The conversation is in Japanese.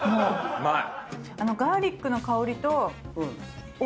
うまい！